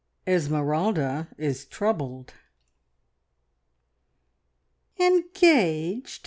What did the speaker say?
ESMERALDA IS TROUBLED. "Engaged!"